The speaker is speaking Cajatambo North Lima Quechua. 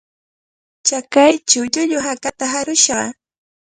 Chakaychaw llullu hakata harushqa